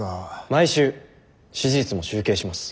毎週支持率も集計します。